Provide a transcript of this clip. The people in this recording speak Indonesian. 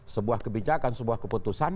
sebuah kebijakan sebuah keputusan